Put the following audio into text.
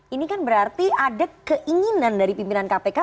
ini kan berarti ada keinginan dari pimpinan kpk